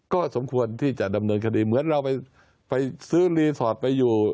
ก็สมควรที่จะดำเนินคดีเหมือนเราไปซื้อรีสอร์ทไปอยู่